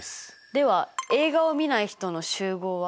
では映画をみない人の集合は？